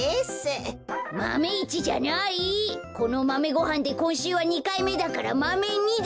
このマメごはんでこんしゅうは２かいめだからマメ２だ！